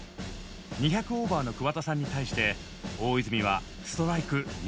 ２００オーバーの桑田さんに対して大泉はストライク２本のみ。